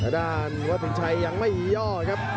ด้านวัดสินชัยยังไม่มีย่อครับ